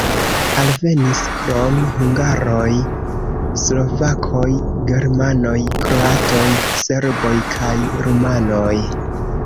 Alvenis krom hungaroj slovakoj, germanoj, kroatoj, serboj kaj rumanoj.